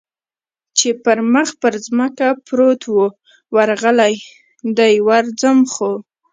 چې پر مخ پر ځمکه پروت و، ورغلی، دی ور خم شو.